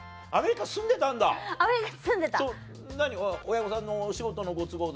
親御さんのお仕事のご都合で？